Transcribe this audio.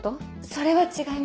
それは違います。